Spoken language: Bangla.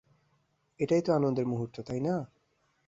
এটাই তো আনন্দের মুহূর্ত, তাই না?